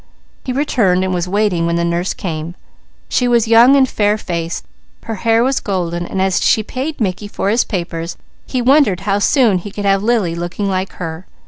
He returned and was waiting when the nurse came. She was young and fair faced; her hair was golden, and as she paid Mickey for his papers he wondered how soon he could have Lily looking like her.